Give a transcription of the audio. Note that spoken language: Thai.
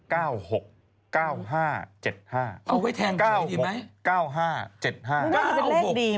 เอาไว้แทงถูกดีไหม๙๖๙๕๗๕